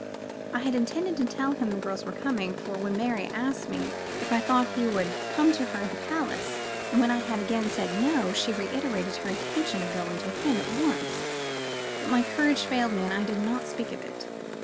I had intended to tell him the girls were coming, for when Mary asked me if I thought he would come to her at the palace, and when I had again said no, she reiterated her intention of going to him at once; but my courage failed me and I did not speak of it.